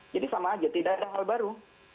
sama aja tidak ada hal baru